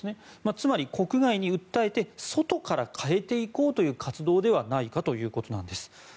つまり、国外に訴えて外から変えていこうという活動ではないかということなんです。